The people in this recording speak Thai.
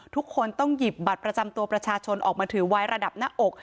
ทุกคนต้องหยิบบัตรประจำตัวประชาชนออกมาถือไว้ระดับหน้าอก